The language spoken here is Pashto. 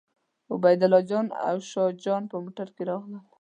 عبیدالله جان او شاه جان په موټر کې راغلل.